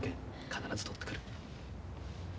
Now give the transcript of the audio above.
必ず取ってくる。